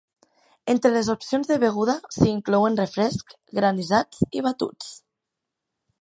Entre les opcions de beguda s'hi inclouen refrescs, granissats i batuts.